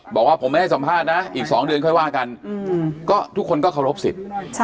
บอกว่าผมไม่ให้สัมภาษณ์นะอีก๒เดือนค่อยว่ากันก็ทุกคนก็เคารพสิทธิ์